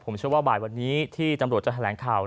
ผมเชื่อว่าบ่ายวันนี้ที่ตำรวจจะแถลงข่าว